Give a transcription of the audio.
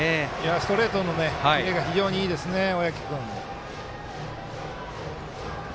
ストレートのキレが非常にいいですね、小宅君。